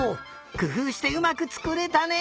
くふうしてうまくつくれたね。